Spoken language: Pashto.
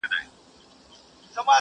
پر منبر مي اورېدلي ستا نطقونه!!